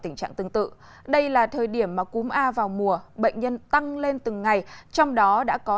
tình trạng tương tự đây là thời điểm mà cúm a vào mùa bệnh nhân tăng lên từng ngày trong đó đã có